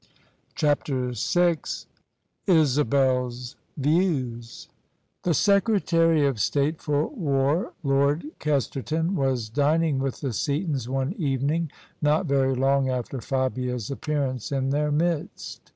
CHAPTER VI Isabel's views The Secretary of State for War, Lord Kesterton, was din ing with the Seatons one evening not very long after Fabia's appearance in their midst.